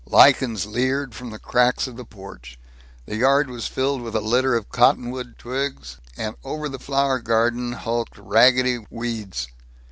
Lichens leered from the cracks of the porch. The yard was filled with a litter of cottonwood twigs, and over the flower garden hulked ragged weeds.